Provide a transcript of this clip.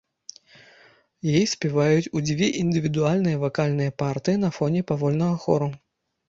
Яе спяваюць у дзве індывідуальныя вакальныя партыі на фоне павольнага хору.